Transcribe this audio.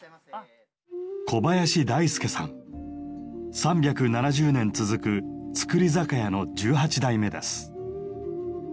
３７０年続く造り酒屋の１８代目です。